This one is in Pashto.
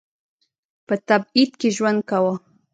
په تبعید کې ژوند کاوه.